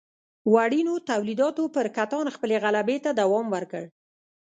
وړینو تولیداتو پر کتان خپلې غلبې ته دوام ورکړ.